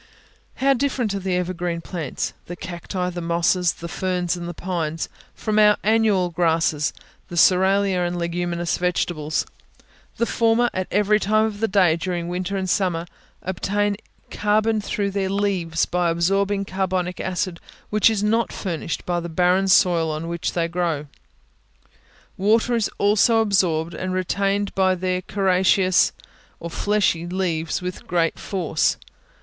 How different are the evergreen plants, the cacti, the mosses, the ferns, and the pines, from our annual grasses, the cerealia and leguminous vegetables! The former, at every time of the day during winter and summer, obtain carbon through their leaves by absorbing carbonic acid which is not furnished by the barren soil on which they grow; water is also absorbed and retained by their coriaceous or fleshy leaves with great force.